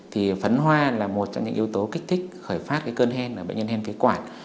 thì phấn hoa là một trong những yếu tố kích thích khởi phát cơn hen ở bệnh nhân hen phế quản